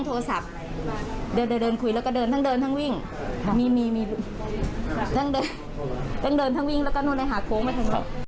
โอ้วพี่บ๋อวิว๊ายใช่ค่ะ